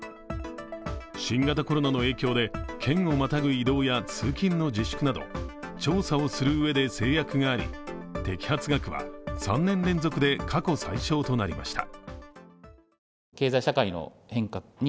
新型コロナの影響で県をまたぐ移動や、通勤の自粛など調査をするうえで制約があり摘発額は３年連続で過去最少となりました。